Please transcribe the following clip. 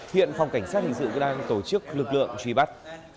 hiện phòng cảnh sát hình sự đang tổ chức lực lượng truy bắt